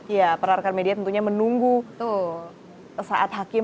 ya peran peran media tentunya menunggu saat hakim